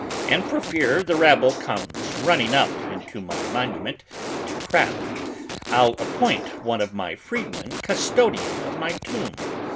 And for fear the rabble comes running up into my monument, to crap, I'll appoint one of my freedmen custodian of my tomb.